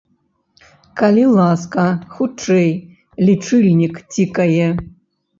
Калі ласка, хутчэй, лічыльнік цікае!